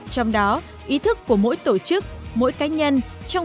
trong đó ý thức của mỗi tổ chức mỗi cá nhân